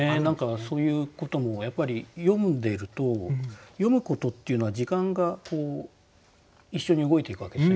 そういうこともやっぱり読んでると読むことっていうのは時間が一緒に動いていくわけですよね